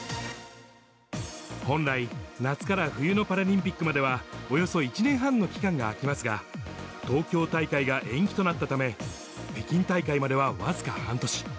本来、夏から冬のパラリンピックまでは、およそ１年半の期間が空きますが、東京大会が延期となったため、北京大会までは僅か半年。